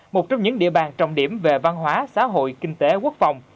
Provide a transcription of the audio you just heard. một trong những địa bàn trọng điểm về văn hóa xã hội kinh tế quốc phòng